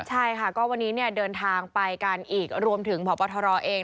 ใช่ค่ะก็วันนี้เดินทางไปกันอีกรวมถึงพบทรเอง